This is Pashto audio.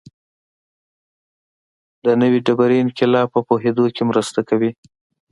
د نوې ډبرې انقلاب په پوهېدو کې مرسته کوي.